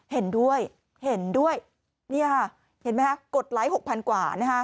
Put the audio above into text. เห็นด้วยเห็นด้วยเห็นไหมครับกดไลค์๖๐๐๐กว่านะฮะ